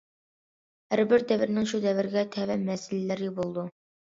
ھەر بىر دەۋرنىڭ شۇ دەۋرگە تەۋە مەسىلىلىرى بولىدۇ.